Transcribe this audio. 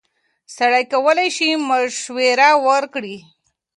سړی کولی شي مشوره ورکړي.